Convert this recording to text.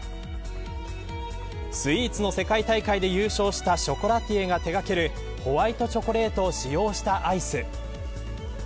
スイーツの世界大会で優勝したショコラティエが手掛けるホワイトチョコレートを使用したアイス。